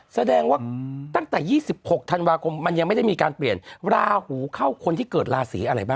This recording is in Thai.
แสดงว่าตั้งแต่๒๖ธันวาคมมันยังไม่ได้มีการเปลี่ยนราหูเข้าคนที่เกิดราศีอะไรบ้าง